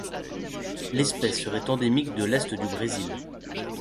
L'espèce serait endémique de l'est du Brésil.